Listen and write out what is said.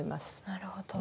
なるほど。